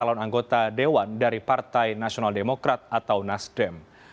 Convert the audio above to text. calon anggota dewan dari partai nasional demokrat atau nasdem